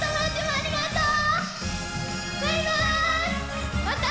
ありがとう！